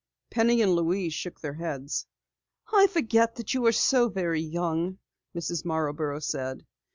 Penny and Louise shook their heads. "I forget that you are so very young," Mrs. Marborough said.